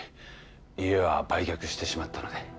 家は売却してしまったので